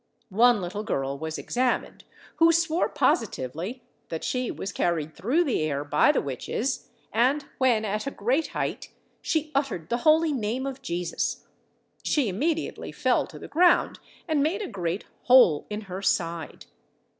One little girl was examined, who swore positively that she was carried through the air by the witches, and when at a great height she uttered the holy name of Jesus. She immediately fell to the ground, and made a great hole in her side.